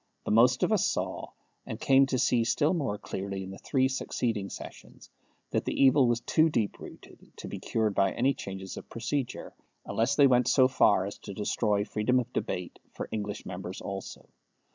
But most of us saw, and came to see still more clearly in the three succeeding sessions, that the evil was too deep rooted to be cured by any changes of procedure, unless they went so far as to destroy freedom of debate for English members also.